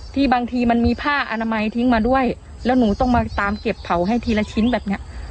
บางทีมันมีผ้าอนามัยทิ้งมาด้วยแล้วหนูต้องมาตามเก็บเผาให้ทีละชิ้นแบบเนี้ย